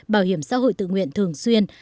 bảo hiểm xã hội tự nguyện thường xuyên